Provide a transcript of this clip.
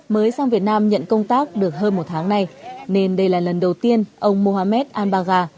mới sang việt nam nhận công tác được hơn một tháng nay nên đây là lần đầu tiên ông mohammed al baga